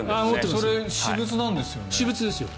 それ、私物なんですよね。